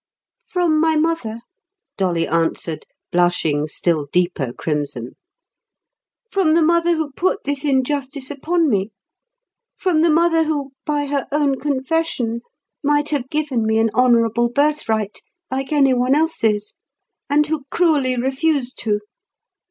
"From my mother," Dolly answered, blushing still deeper crimson. "From the mother who put this injustice upon me. From the mother who, by her own confession, might have given me an honourable birthright, like any one else's, and who cruelly refused to."